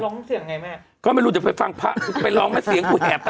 ร้องเสียงไงแม่ก็ไม่รู้เดี๋ยวไปฟังพระคุณไปร้องไหมเสียงกูแอบไป